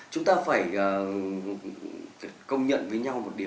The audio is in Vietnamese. chúng ta phải công nhận với nhau một điều